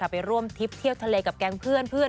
ไปร่วมทิพเที่ยวทะเลกับแกงเพื่อนเภอร์บี้